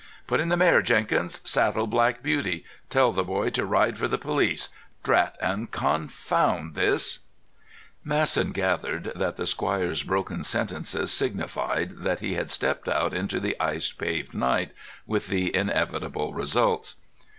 "Put in the mare, Jenkins. Saddle Black Beauty. Tell the boy to ride for the police. Drat and confound this——" Masson gathered that the squire's broken sentences signified that he had stepped out into the ice paved night, with the inevitable results.